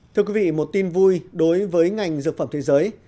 thưa quý vị một tin vui đối với ngành dược phẩm thế giới